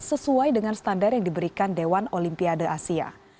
sesuai dengan standar yang diberikan dewan olimpiade asia